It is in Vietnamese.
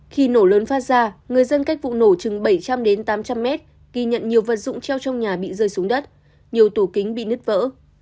khi nổ lớn phát ra người dân cách vụ nổ chừng bảy trăm linh đến tám trăm linh mét ghi nhận nhiều vật dụng treo trong nhà bị rơi xuống đất nhiều tủ kính bị nứt vỡ